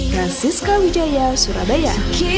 prasisca wijaya surabaya